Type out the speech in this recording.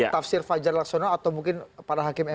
tafsir fajar laksono atau mungkin para hakim mk